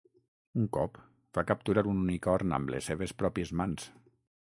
Un cop va capturar un unicorn amb les seves pròpies mans.